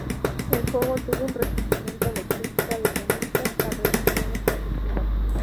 El juego tuvo un recibimiento de critica desde mixtas a revisiones positivas.